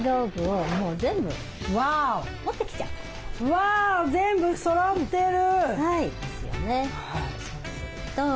わあ全部そろってる！